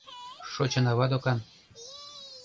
Шочынава докан...